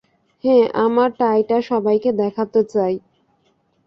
হ্যাঁ, আমার টাইটা সবাইকে দেখাতে চাই।